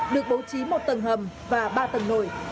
được bố trí một tầng hầm và ba tầng nổi